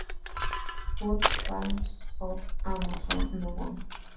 Bot., Palms of Amazon, Novon".